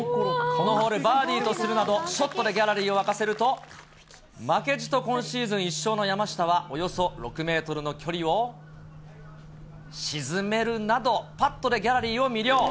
このホール、バーディーとするなど、ショットでギャラリーを沸かせると、負けじと今シーズン１勝の山下は、およそ６メートルの距離を沈めるなど、パットでギャラリーを魅了。